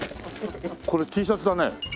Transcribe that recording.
これＴシャツだね。